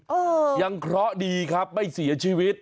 เออยังเคราะห์ดีครับไม่เสียชีวิต